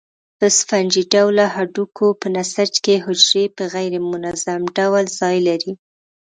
په سفنجي ډوله هډوکو په نسج کې حجرې په غیر منظم ډول ځای لري.